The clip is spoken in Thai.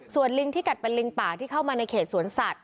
ส่วนลิงที่กัดเป็นลิงป่าที่เข้ามาในเขตสวนสัตว